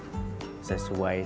tapi kalau kita menjual kebun